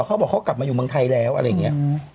เขาบอกเขากลับมาอยู่เมืองไทยแล้วอะไรอย่างนี้